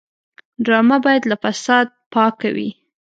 ډرامه باید له فساد پاکه وي